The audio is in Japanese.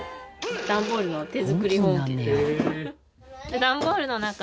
段ボールの手作り保温器です。